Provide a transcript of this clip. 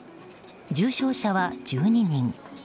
重症者は１２人。